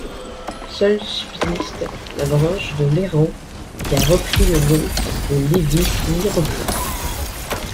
Seule subsiste la branche de Léran, qui a repris le nom de Lévis-Mirepoix.